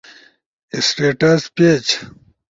سٹیٹس پیج